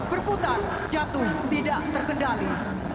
berputar jatuh tidak terkendali